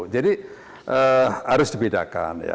jadi harus dibedakan ya